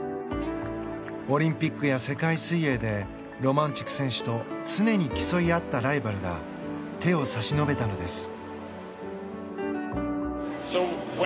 オリンピックや世界水泳でロマンチュク選手と常に競い合ったライバルが手を差し伸べたのです。